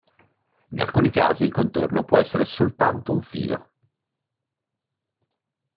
In alcuni casi il contorno può essere soltanto un filo.